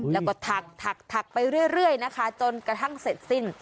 แล้วก็ถักไปเรื่อยนะคะจนกระทั่งเสร็จสิ้น